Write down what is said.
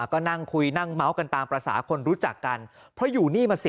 ก็นั่งคุยนั่งเมาส์กันตามภาษาคนรู้จักกันเพราะอยู่นี่มาสิบ